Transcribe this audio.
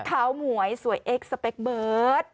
ขาวหมวยสวยเอ็กซ์เบิร์ต